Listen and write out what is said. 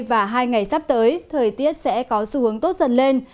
và hai ngày sắp tới thời tiết sẽ có xu hướng tốt dần lên